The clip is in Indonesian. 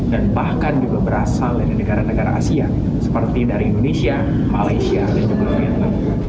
dan bahkan juga berasal dari negara negara asia seperti dari indonesia malaysia dan juga vietnam